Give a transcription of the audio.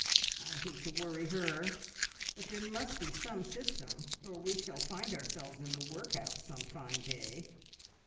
I hate to worry her, but there must be some system, or we shall find ourselves in the workhouse some fine day.